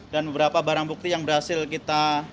dan beberapa barang bukti yang berhasil kita